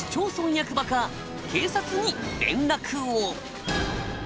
役場か警察に連絡を。